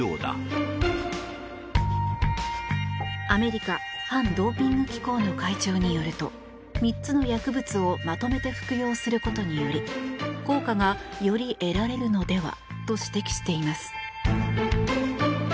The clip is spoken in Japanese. アメリカ反ドーピング機構の会長によると３つの薬物をまとめて服用することにより効果が、より得られるのではと指摘しています。